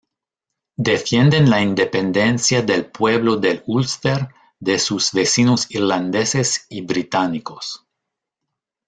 Defienden la independencia del pueblo del Úlster, de sus vecinos irlandeses y británicos.